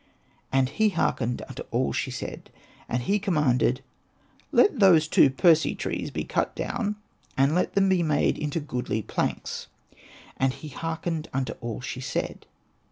" And he hearkened unto all she said. And he commanded, ''Let these two Persea trees be cut down, and let them be made into goodly planks.'' And he hearkened unto all she said.